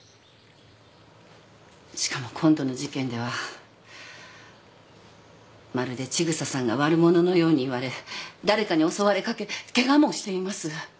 しかも今度の事件ではまるで千草さんが悪者のように言われ誰かに襲われかけケガもしています。